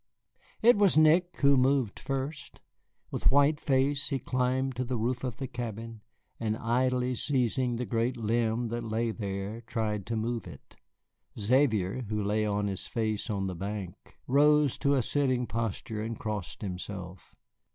It was Nick who moved first. With white face he climbed to the roof of the cabin and idly seizing the great limb that lay there tried to move it. Xavier, who lay on his face on the bank, rose to a sitting posture and crossed himself.